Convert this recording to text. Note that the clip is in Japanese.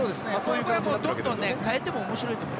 どんどんサイドを変えても面白いと思う。